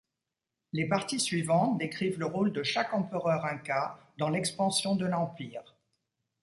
Les parties suivantes décrivent le rôle de chaque empereur inca dans l’expansion de l’empire.